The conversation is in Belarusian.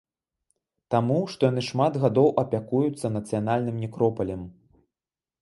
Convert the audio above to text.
Таму, што яны шмат гадоў апякуюцца нацыянальным некропалем.